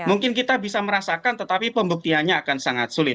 mungkin kita bisa merasakan tetapi pembuktiannya akan sangat sulit